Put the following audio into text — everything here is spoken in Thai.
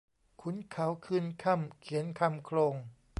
ขุนเขาคืนค่ำเขียนคำโคลง